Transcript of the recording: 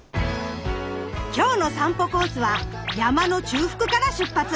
今日の散歩コースは山の中腹から出発。